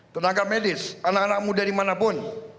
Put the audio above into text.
tenaga medis anak anak muda dimanapun